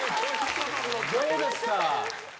どうですか？